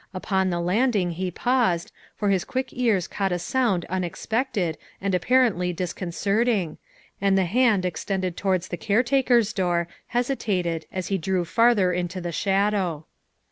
Upon the landing he paused, for his quick ears caught a sound unexpected and apparently discon certing, and the hand extended towards the caretaker's door hesitated as he drew farther into the shadow.